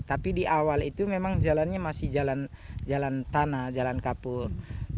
tapi di awal itu memang jalannya masih jalan tanah jalan kapur